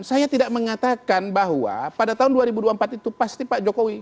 saya tidak mengatakan bahwa pada tahun dua ribu dua puluh empat itu pasti pak jokowi